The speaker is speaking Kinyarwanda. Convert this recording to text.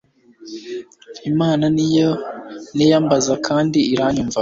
imana ni yo niyambaza, kandi iranyumva